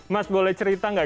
mas boleh cerita nggak